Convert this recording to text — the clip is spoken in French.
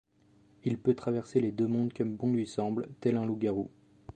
Il peut traverser les deux mondes comme bon lui semble - tel un loup-garou.